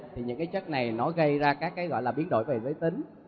thì những cái chất này nó gây ra các cái gọi là biến đổi về giới tính